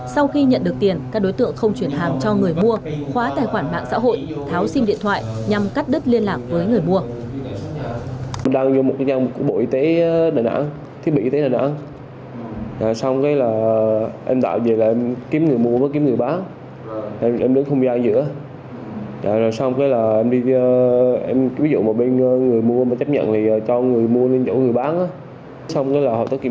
sau khi nhận được tiền các đối tượng không chuyển hàng cho người mua khóa tài khoản mạng xã hội